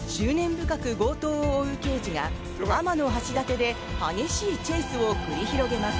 深く強盗を追う刑事が天橋立で激しいチェイスを繰り広げます。